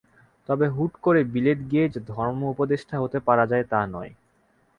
তবে হুট করে বিলেত গিয়েই যে ধর্ম-উপদেষ্টা হতে পারা যায়, তা নয়।